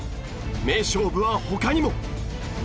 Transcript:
名勝負は他にも！